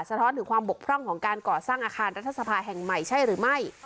ท้อนถึงความบกพร่องของการก่อสร้างอาคารรัฐสภาแห่งใหม่ใช่หรือไม่